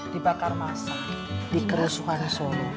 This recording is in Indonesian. di bakar masa di keresuhan solo